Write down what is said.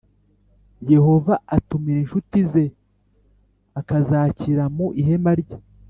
Yehova atumira inshuti ze akazakira mu ihema rye